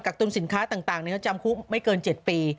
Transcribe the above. กักตุมสินค้าต่างนี่ก็จำคุกไม่เกิน๗ปี